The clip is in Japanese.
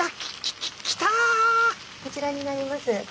こちらになります。